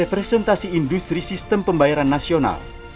representasi industri sistem pembayaran nasional